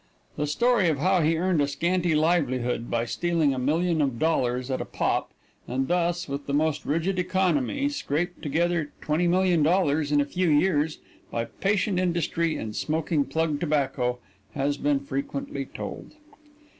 The story of how he earned a scanty livelihood by stealing a million of dollars at a pop, and thus, with the most rigid economy, scraped together $20,000,000 in a few years by patient industry and smoking plug tobacco, has been frequently told.